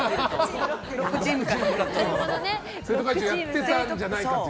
生徒会長をやってたんじゃないかと。